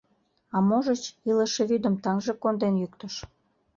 А можыч, илыше вӱдым таҥже конден йӱктыш.